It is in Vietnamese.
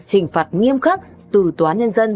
hình phạt nghiêm khắc từ tòa nhân dân